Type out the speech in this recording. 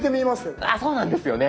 そうなんですよね。